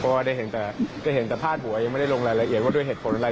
เพราะว่าได้เห็นแต่ได้เห็นแต่พาดหัวยังไม่ได้ลงรายละเอียดว่าด้วยเหตุผลอะไร